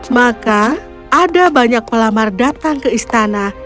maka ada banyak pelamar datang ke istana